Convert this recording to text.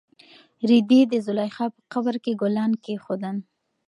رېدي د زلیخا په قبر کې ګلان کېښودل.